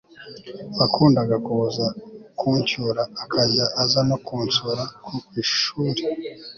wakundaga kuza kuncyura akajya aza no k nsura ku ishuri